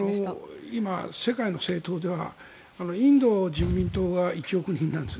今、世界の政党ではインドの人民党が１億人なんです。